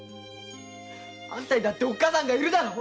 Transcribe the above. あんたにだっておっかさんがいるだろ！